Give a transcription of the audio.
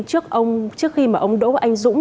trước khi ông đỗ anh dũng